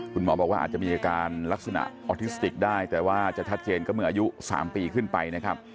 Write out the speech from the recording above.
คุณหมอบอกว่าอาจจะมีอาการลักษณะออทิสติกได้แต่ว่าจะชัดเจนก็เมื่ออายุ๓ปีขึ้นไปนะครับ